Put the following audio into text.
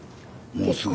もうすぐ。